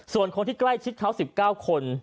ส่วนคนที่ใกล้ชิดเขา๑๙คน